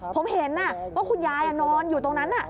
ผมเห็นว่าคุณยายนอนอยู่ตรงนั้น